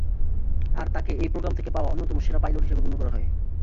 আর তাকে এই প্রোগ্রাম থেকে পাওয়া অন্যতম সেরা পাইলট হিসাবে গণ্য করা হয়।